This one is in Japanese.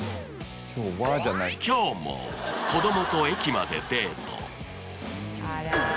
「今日も子どもと駅までデート」